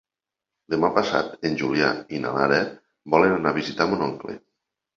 Demà passat en Julià i na Lara volen anar a visitar mon oncle.